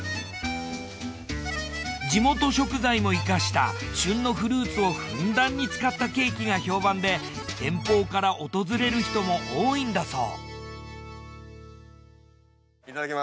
地元食材も生かした旬のフルーツをふんだんに使ったケーキが評判で遠方から訪れる人も多いんだそう。